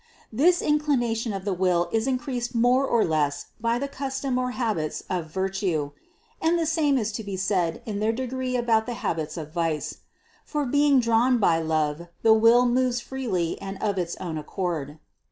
This inclination of the will 464 CITY OF GOD is increased more or less by the custom or habits of vir tue (and the same is to be said in their degree about the habits of vice), for being drawn by love, the will moves freely and of its own accord.